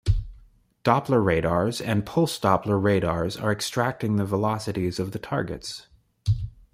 Doppler radars and Pulse-Doppler radars are extracting the velocities of the targets.